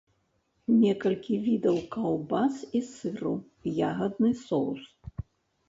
Некалькі відаў каўбас і сыру, ягадны соус.